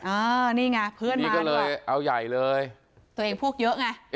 อ่านี่ไงเพื่อนนี่ก็เลยเอาใหญ่เลยตัวเองพวกเยอะไง